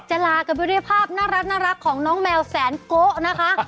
จะลากับวิวดีภาพน่ารักของน้องแมวแสนโกะนะคะ